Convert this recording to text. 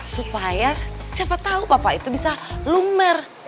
supaya siapa tau papa itu bisa lumer